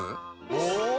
お！